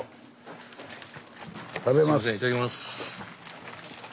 食べます。